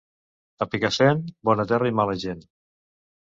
A Picassent, bona terra i mala gent.